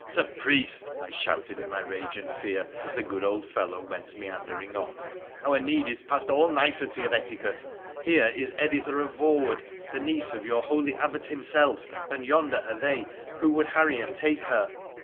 ' Sir Priest,' I shouted in my rage and fear as the good old fellow went meandering on, ' our need is past all nicety of etiquette ! Here is Editha of Voewood, the niece of your holy Abbot himself, and yonder are they who would harry and take her.